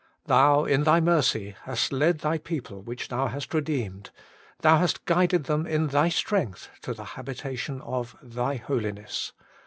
Thou in Thy mercy hast led Thy people which Thou hast redeemed : Thou hast guided them in Thy strength to the habitation of Thy holiness.